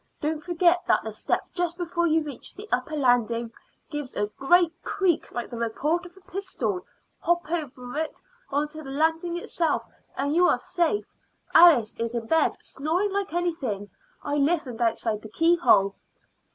Don't forget that the step just before you reach the upper landing gives a great creak like the report of a pistol; hop over it on to the landing itself, and you are safe. Alice is in bed, snoring like anything; I listened outside the keyhole."